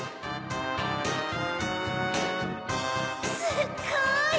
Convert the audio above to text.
すっごい！